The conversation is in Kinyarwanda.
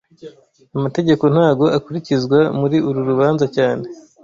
Amategeko ntago akurikizwa muri uru rubanza cyane